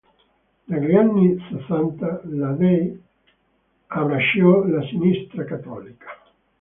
Dagli anni sessanta la Day abbracciò la "sinistra" cattolica.